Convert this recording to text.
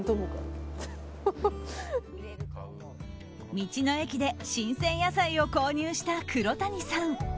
道の駅で新鮮野菜を購入した黒谷さん。